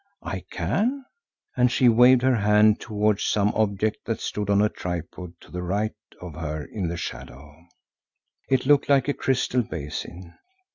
I can," and she waved her hand towards some object that stood on a tripod to the right of her in the shadow—it looked like a crystal basin.